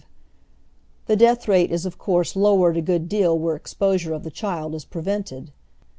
The death rate is of course lowered a good deal where exposm^e of the child is prevented.